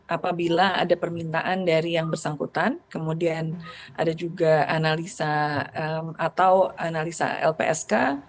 apabila ada permintaan dari yang bersangkutan kemudian ada juga analisa atau analisa lpsk